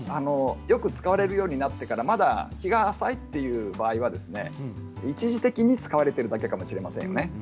よく使われるようになってからまだ日が浅いという場合は一時的に使われているだけかもしれませんよね。